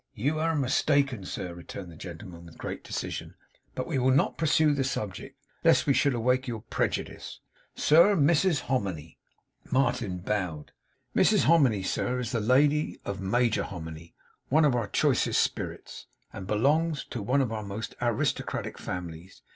'You air mistaken, sir,' returned the gentleman, with great decision: 'but we will not pursue the subject, lest it should awake your preju dice. Sir, Mrs Hominy.' Martin bowed. 'Mrs Hominy, sir, is the lady of Major Hominy, one of our chicest spirits; and belongs Toe one of our most aristocratic families.